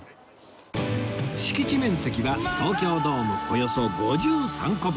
敷地面積が東京ドームおよそ５３個分